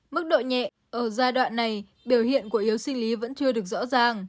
mức độ nhẹ ở giai đoạn này biểu hiện của yếu sinh lý vẫn chưa được rõ ràng